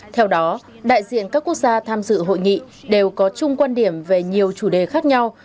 theo đó đại diện các quốc gia tham dự hội nghị đều có chung quan điểm về nhiều chủ đề khác nhau